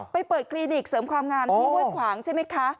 ไปเปิดคลินิกเสริมความงามที่ห้วยขวางใช่ไหมคะ